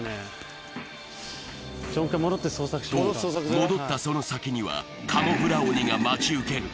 戻ったその先にはカモフラ鬼が待ち受ける。